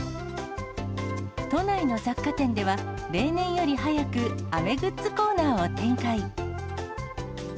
都内の雑貨店では、例年より早く、雨グッズコーナーを展開。